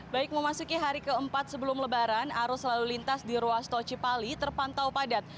baik memasuki hari keempat sebelum lebaran arus lalu lintas di ruas tol cipali terpantau padat